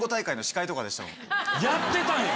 やってたんや！